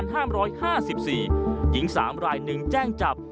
หญิง๓รายหนึ่งแจ้งจับ